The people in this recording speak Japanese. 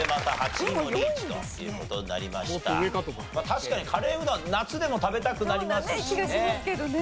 確かにカレーうどんは夏でも食べたくなりますしね。